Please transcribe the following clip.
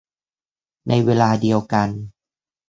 ในเวลาเดียวกัน